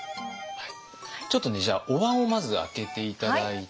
ちょっとねじゃあおわんをまず開けて頂いて。